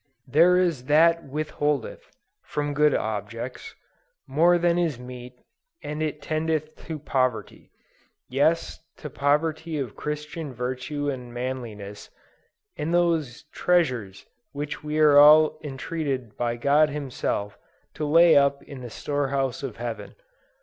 "There is that withholdeth" from good objects, "more than is meet, and it tendeth to poverty:" yes, to poverty of Christian virtue and manliness, and of those "treasures" which we are all entreated by God himself, to "lay up" in the store house of Heaven.